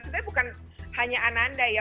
sebenarnya bukan hanya anak anda